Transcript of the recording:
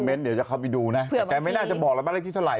เดี๋ยวจะเข้าไปดูนะแต่แกไม่น่าจะบอกแล้วบ้านเลขที่เท่าไ